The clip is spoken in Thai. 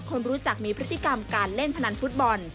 คนรู้จักมีพฤติกรรมการเล่นพนันฟุตบอล